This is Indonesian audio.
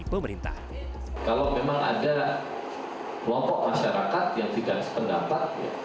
pemerintah kalau memang ada kelompok masyarakat yang tidak sependapat